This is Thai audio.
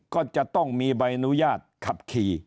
ก็จะต้องมีใบอนุญาตขับขี่